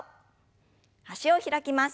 脚を開きます。